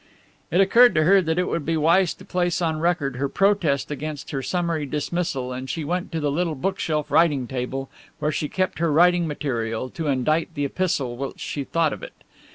It occurred to her that it would be wise to place on record her protest against her summary dismissal, and she went to the little bookshelf writing table where she kept her writing material to indite the epistle whilst she thought of it.